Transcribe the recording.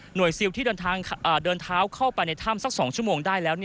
ซิลที่เดินเท้าเข้าไปในถ้ำสัก๒ชั่วโมงได้แล้ว